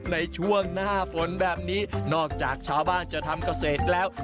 ในช่วงหน้าฝนแบบนี้นอกจากชาวบ้านจะทำเกษตรแล้ว